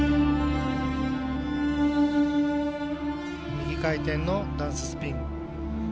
右回転のダンススピン。